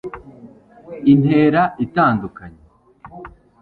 intera itandukanye